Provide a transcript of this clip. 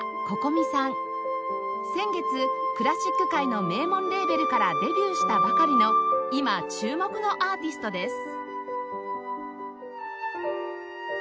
先月クラシック界の名門レーベルからデビューしたばかりの今注目のアーティストです